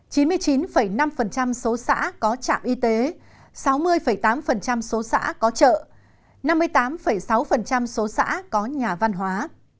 chín mươi chín năm số xã có trạm y tế sáu mươi tám số xã có chợ năm mươi tám sáu số xã có nhà văn hóa